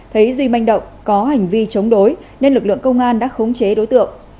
thấy duy manh động có hành vi chống đối nên lực lượng công an đã khống chế đối tượng